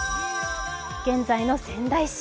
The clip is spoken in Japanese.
現在の仙台市。